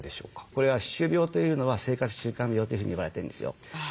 これは歯周病というのは生活習慣病というふうに言われてるんですよ。